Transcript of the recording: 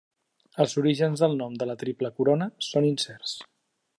Els orígens del nom de la Triple Corona són incerts.